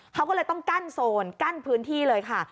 เขาก็เลยต้องกั้นโซนกั้นพื้นที่เลยค่ะ